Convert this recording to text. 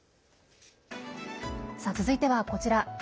続いてはこちら。